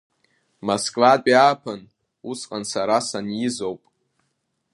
Москватәи ааԥын, усҟан сара санизоуп.